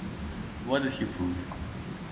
What did he prove?